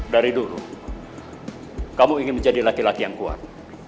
dari dulu kamu ingin menjadi laki laki yang kuat